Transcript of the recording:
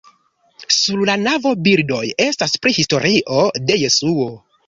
Sur la navo bildoj estas pri historio de Jesuo.